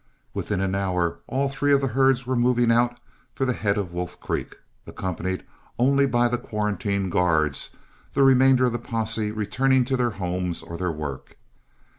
Within an hour all three of the herds were moving out for the head of Wolf Creek, accompanied only by the quarantine guards, the remainder of the posse returning to their homes or their work.